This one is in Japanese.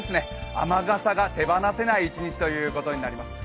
雨傘が手放せない一日ということです。